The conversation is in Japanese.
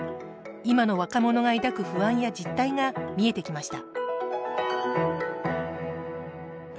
今の若者が抱く不安や実態が見えてきました